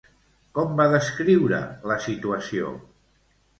Com va descriure la situació?